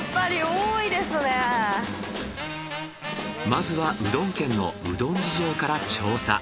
まずはうどん県のうどん事情から調査。